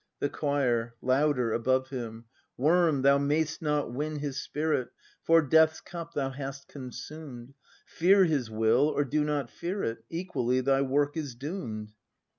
The Choir. [Louder, above him.] Worm, thou mayst not win His spirit, — For Death's cup thou hast consumed; Fear His Will, or do not fear it. Equally thy work is doom'd.